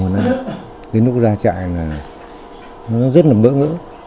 một mươi một năm đến lúc ra trại là rất là bỡ ngỡ